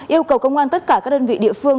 yêu cầu công an tất cả các đơn vị địa phương